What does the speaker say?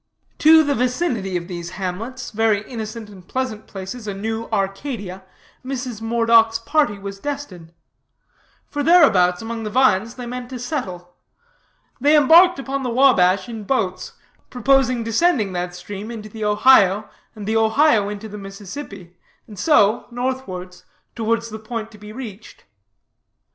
To the vicinity of those hamlets, very innocent and pleasant places, a new Arcadia, Mrs. Moredock's party was destined; for thereabouts, among the vines, they meant to settle. They embarked upon the Wabash in boats, proposing descending that stream into the Ohio, and the Ohio into the Mississippi, and so, northwards, towards the point to be reached.